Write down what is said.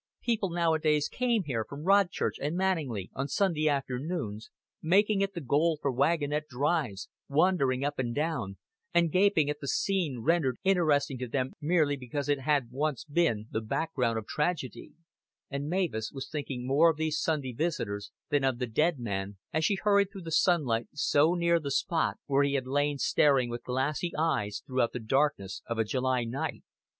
People nowadays came here from Rodchurch and Manninglea on Sunday afternoons, making it the goal for wagonette drives, wandering up and down, and gaping at a scene rendered interesting to them merely because it had once been the background of tragedy; and Mavis was thinking more of these Sunday visitors than of the dead man, as she hurried through the sunlight so near the spot where he had lain staring with glassy eyes throughout the darkness of a July night.